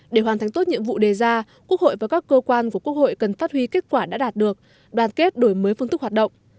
để hoàn thành tốt nhiệm vụ đề ra quốc hội và các cơ quan của quốc hội cần phát huy kết quả đã đạt được đoàn kết đổi mới phương thức hoạt động